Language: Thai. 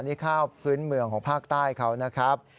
นี่ข้าวพื้นเมืองของภาคใต้เขานะครับ